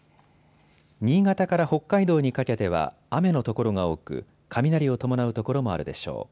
新潟から北海道にかけては雨の所が多く雷を伴う所もあるでしょう。